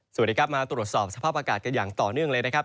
สวัสดีครับมาตรวจสอบสภาพอากาศกันอย่างต่อเนื่องเลยนะครับ